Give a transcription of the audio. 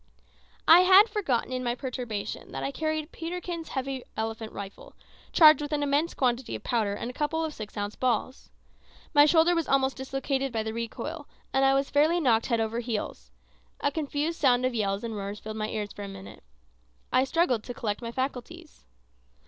I had forgotten, in my perturbation, that I carried Peterkin's heavy elephant rifle, charged with an immense quantity of powder and a couple of six ounce balls. My shoulder was almost dislocated by the recoil, and I was fairly knocked head over heels. A confused sound of yells and roars filled my ear for a moment. I struggled to collect my faculties.